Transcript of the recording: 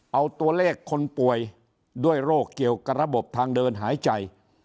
เอาตัวเลขคนป่วยด้วยโรคเกี่ยวกับระบบทางเดินหายใจ